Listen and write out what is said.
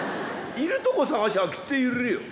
「居るとこ捜しゃきっと居るよ」